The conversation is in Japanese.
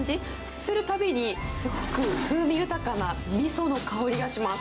すするたびにすごく風味豊かなみその香りがします。